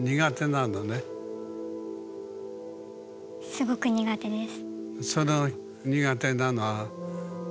すごく苦手です。